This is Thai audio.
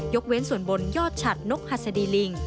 เว้นส่วนบนยอดฉัดนกหัสดีลิง